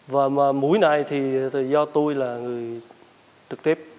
và mũi này thì do tôi là người trực tiếp